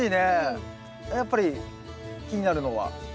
やっぱり気になるのは。